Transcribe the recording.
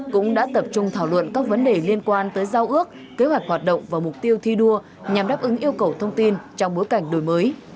cũng đã tập trung thảo luận các vấn đề liên quan tới giao ước kế hoạch hoạt động và mục tiêu thi đua nhằm đáp ứng yêu cầu thông tin trong bối cảnh đổi mới